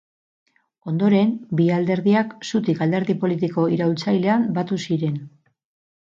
Ondoren, bi alderdiak Zutik alderdi politiko iraultzailean batu ziren.